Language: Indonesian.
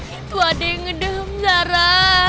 itu ada yang ngedehm zara